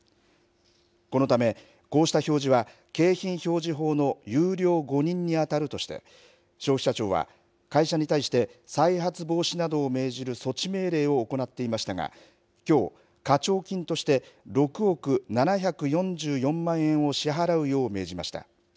このため、こうした表示は景品表示法の優良誤認に当たるとして、消費者庁は会社に対して、再発防止などを命じる措置命令を行っていましたが、きょう、課徴金として６億７４４万円を支払うよう命じました。